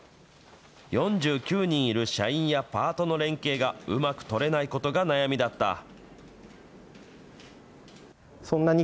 ４９人いる社員やパートの連携がうまく取れないことが悩みだった。